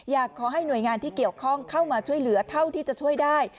อยากให้หน่วยงานที่เกี่ยวข้องเข้ามาช่วยเหลือเท่าที่จะช่วยได้